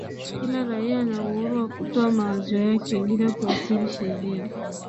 kila raia ana uhuru wa kutoa mawazo yake bila kuathiri sheria